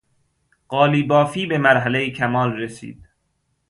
قالیبافی به مرحلهی کمال رسید.